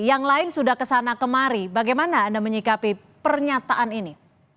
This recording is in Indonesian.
yang lain sudah kesana kemari bagaimana anda menyikapi pernyataan ini